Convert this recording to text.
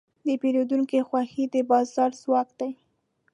د پیرودونکي خوښي د بازار ځواک دی.